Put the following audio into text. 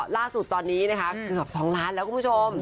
ล่าสุดตอนนี้นะคะเกือบ๒ล้านแล้วคุณผู้ชม